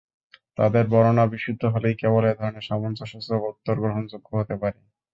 তাদের বর্ণনা বিশুদ্ধ হলেই কেবল এ ধরনের সামঞ্জস্যসূচক উত্তর গ্রহণযোগ্য হতে পারে।